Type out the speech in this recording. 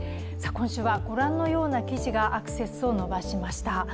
今週はご覧のような記事がアクセスを伸ばしました。